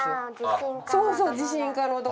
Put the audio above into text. そうそう。